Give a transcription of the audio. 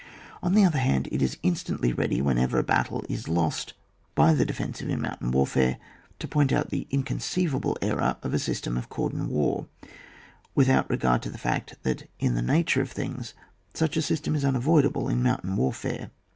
On the other hand, it is instantly ready, whenever a battle iB lost by the defensive in mountain war fare, to point out the inconceivable error of a system of cordon war, without any regard to the fact that in the nature of things such a system is unavoidable in mountain warfare.